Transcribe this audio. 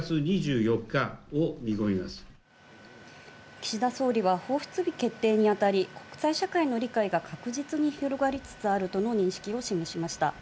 岸田総理は放出日決定にあたり、国際社会の理解が確実に広がりつつあるとの認識を示しました。